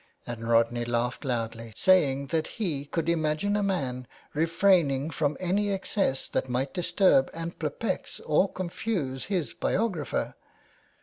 And Rodney laughed loudly, saying that he could imagine a man refraining from any excess that might disturb and perplex or confuse his biographer.